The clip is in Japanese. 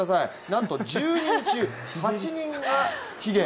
なんと１０人中９人がひげ。